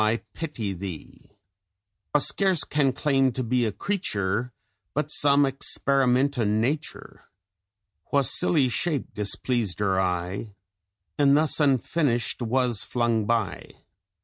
I pity thee; Wha scarce can claim to be a creature, But some experiment O' Nature, Whase silly shape displeased her eye, And thus unfinished was flung bye.